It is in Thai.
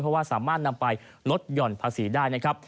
เพราะว่าสามารถนำไปลดหย่อนภาษีได้นะครับ